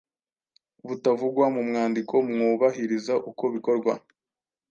butavugwa mu mwandiko, mwubahiriza uko bikorwa,